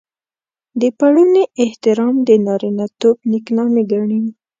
د پړوني احترام د نارينه توب نېکنامي ګڼي.